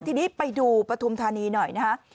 ทีนี้ไปดูปฐุมธานีหน่อยนะฮะ